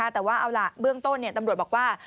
แต่ว่าเอาล่ะเบื้องต้นตำรวจบอกว่า